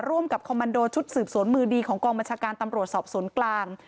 ร่วมกับคอมมันโดชุดสืบสวนมือดีของกองบัญชาการตำรวจสอบสวนกลาง